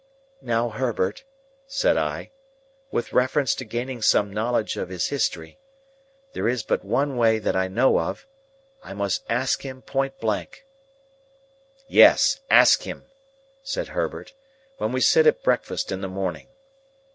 "Now, Herbert," said I, "with reference to gaining some knowledge of his history. There is but one way that I know of. I must ask him point blank." "Yes. Ask him," said Herbert, "when we sit at breakfast in the morning."